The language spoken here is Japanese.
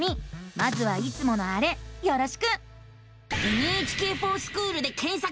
まずはいつものあれよろしく！